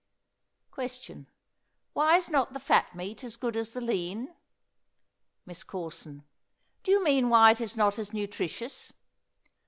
Question. Why is not the fat meat as good as the lean? MISS CORSON. Do you mean why is it not as nutritious?